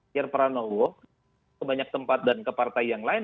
kier pranowo kebanyak tempat dan ke partai yang lain